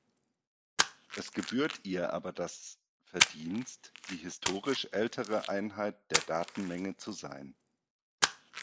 Es gebührt ihr aber das Verdienst, die historisch ältere Einheit der Datenmenge zu sein.